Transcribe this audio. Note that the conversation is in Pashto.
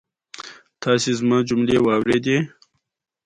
باران د افغان نجونو د پرمختګ لپاره فرصتونه برابروي.